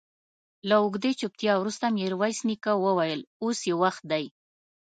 له اوږدې چوپتيا وروسته ميرويس نيکه وويل: اوس يې وخت دی.